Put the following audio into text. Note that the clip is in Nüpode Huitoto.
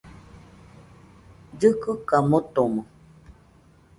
Llɨkɨka motomo